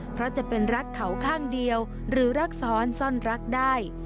เพราะจะเป็นรักเขาข้างเดียวหรือรักซ้อนซ่อนรักได้